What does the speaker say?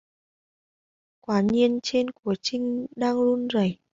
Quả nhiên trên của Trinh đang run rẩy